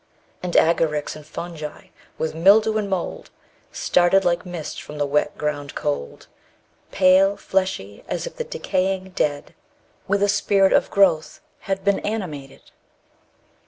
And agarics, and fungi, with mildew and mould Started like mist from the wet ground cold; Pale, fleshy, as if the decaying dead With a spirit of growth had been animated!